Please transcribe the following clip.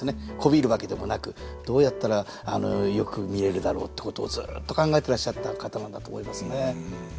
媚びるわけでもなくどうやったらよく見えるだろうってことをずっと考えてらっしゃった方なんだと思いますね。